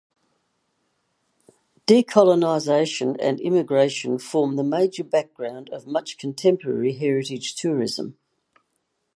Decolonization and immigration form the major background of much contemporary heritage tourism.